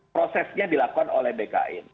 prosesnya dilakukan oleh bkn